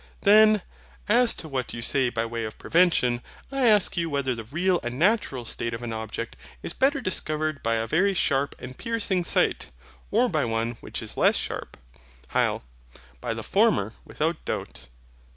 Then' as to what you say by way of prevention: I ask you whether the real and natural state of an object is better discovered by a very sharp and piercing sight, or by one which is less sharp? HYL. By the former without doubt.